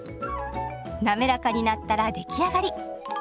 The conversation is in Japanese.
なめらかになったら出来上がり。